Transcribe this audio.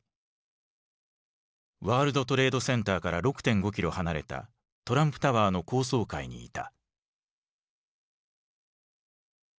ワールドトレードセンターから６．５キロ離れたトランプタワーの高層階にいた。